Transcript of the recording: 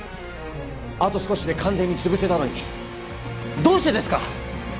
あと少しで完全に潰せたのにどうしてですか？